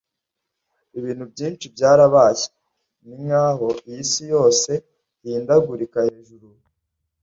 ibintu byinshi byarabaye. ninkaho isi yose ihindagurika hejuru